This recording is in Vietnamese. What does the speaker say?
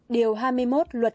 điều hai mươi một luật